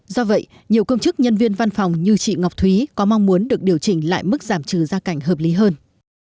do vậy nhiều công chức nhân viên văn phòng như chị ngọc thúy có mong muốn được điều chỉnh lại mức giảm trừ gia cảnh hợp lý hơn